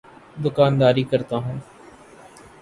دوکانداری کرتا ہوں۔